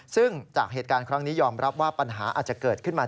ซึ่งจากเหตุการณ์ครั้งนี้ยอมรับว่าปัญหาอาจจะเกิดขึ้นมา